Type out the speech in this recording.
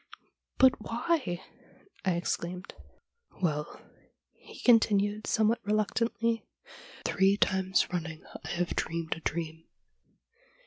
'" But why ?" I exclaimed. '" Well," he continued, somewhat reluctantly, " three times running I have dreamed a dream."